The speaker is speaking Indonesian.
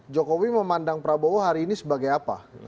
jokowi memandang prabowo hari ini sebagai apa